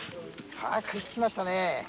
食いつきましたね。